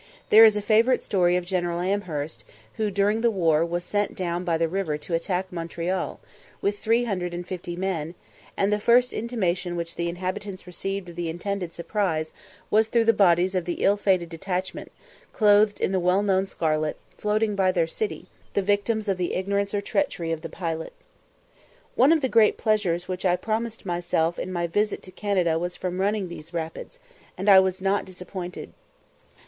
There is a favourite story of General Amherst, who during the war was sent down by the river to attack Montreal, with three hundred and fifty men, and the first intimation which the inhabitants received of the intended surprise was through the bodies of the ill fated detachment, clothed in the well known scarlet, floating by their city, the victims of the ignorance or treachery of the pilot. One of the great pleasures which I promised myself in my visit to Canada was from running these rapids, and I was not disappointed.